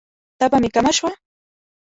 تبه می کمه شوه؟